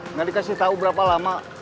nggak dikasih tahu berapa lama